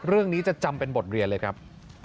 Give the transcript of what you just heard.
เรื่องนี้จะจำเป็นบทเรียนเลยครับ